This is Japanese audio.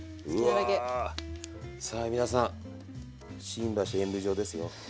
うわさあ皆さん新橋演舞場ですよ。